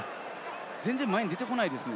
全然前に出てこないですもん。